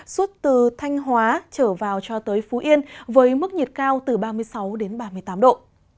suốt từ thanh hóa trở vào cho tới phú yên với mức nhiệt cao từ ba mươi sáu đến ba mươi tám độ